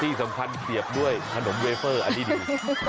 ที่สำคัญเสียบด้วยขนมเวเฟอร์อันนี้ดี